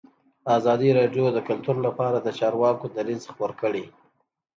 ازادي راډیو د کلتور لپاره د چارواکو دریځ خپور کړی.